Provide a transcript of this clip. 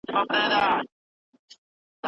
په پیل کي ټول بحثونه د فلسفې برخه وه.